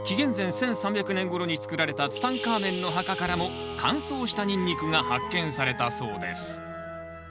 １３００年ごろに作られたツタンカーメンの墓からも乾燥したニンニクが発見されたそうです。